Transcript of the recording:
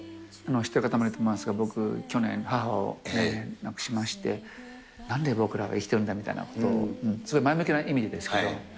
知ってる方もいるかと思いますが、僕、去年、母を亡くしまして、なんで僕らは生きてるんだみたいなことを、すごい前向きな意味でですけど。